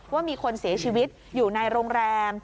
ว่ามีคนเสียชีวิตอยู่ในโรงแรม